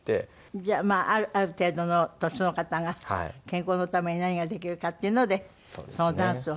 じゃあまあある程度の年の方が健康のために何ができるかっていうのでそのダンスを。